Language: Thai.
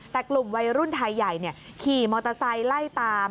แต่กลุ่มวัยรุ่นไทยใหญ่ขี่มอเตอร์ไซค์ไล่ตาม